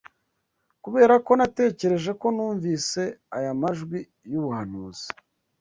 Kuberako natekereje ko numvise aya majwi y'ubuhanuzi